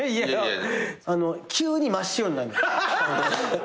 急に真っ白になる。